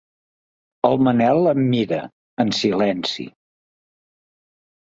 El Manel em mira, en silenci.